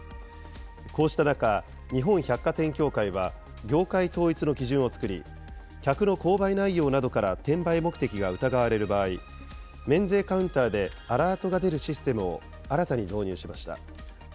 こうした中、日本百貨店協会は、業界統一の基準を作り、客の購買内容などから転売目的が疑われる場合、免税カウンターでアラートが出るシステムを新たに導入しました。